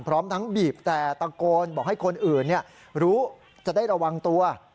พร้อมทั้งบีบแต่ตะโกนบอกให้คนอื่นรู้จะได้ระวังตัว